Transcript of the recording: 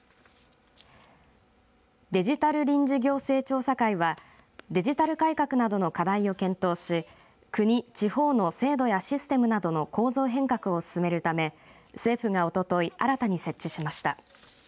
デジタル臨時行政調査会はデジタル改革などの課題を検討し国・地方の制度やシステムなどの構造変革を進めるため政府がおととい新たに設置しました。